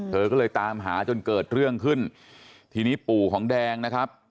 เธอก็เลยตามหาจนเกิดเรื่องขึ้นทีนี้ปู่ของแดงนะครับ